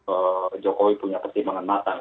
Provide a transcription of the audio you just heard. ee jokowi punya pertimbangan matang